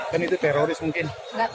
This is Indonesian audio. kan itu teroris mungkin